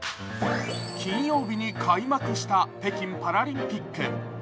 金曜日に開幕した北京パラリンピック。